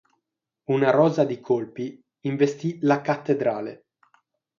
Una rosa di colpi investì la Cattedrale.